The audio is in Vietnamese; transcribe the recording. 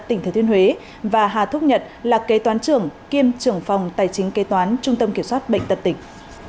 tỉnh thừa thuyên huế và hà thúc nhật là kế toán trưởng kiêm trưởng phòng tài chính kế toán trung tâm kiểm soát bệnh tật tỉnh